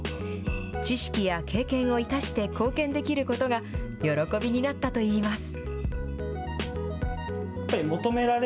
知識や経験を生かして貢献できることが喜びになったといいます。